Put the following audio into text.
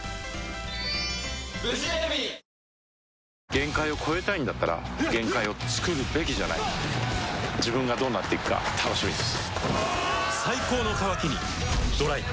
限界を越えたいんだったら限界をつくるべきじゃない自分がどうなっていくか楽しみです